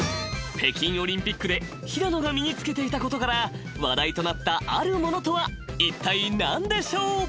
［北京オリンピックで平野が身につけていたことから話題となったあるものとはいったい何でしょう？］